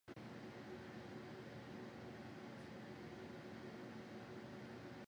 ਅਸੀਂ ਦਿਲੋਂ ਜੀਹਦੇ ਤੇ ਡੁੱਲੇ ਸੀ